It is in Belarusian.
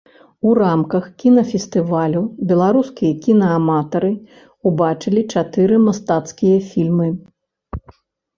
У рамках кінафестывалю беларускія кінааматары убачылі чатыры мастацкія фільмы.